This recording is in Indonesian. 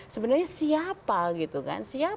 sebenarnya siapa gitu kan